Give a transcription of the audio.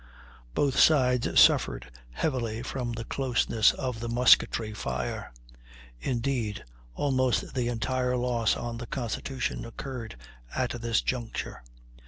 Both sides suffered heavily from the closeness of the musketry fire; indeed, almost the entire loss on the Constitution occurred at this juncture.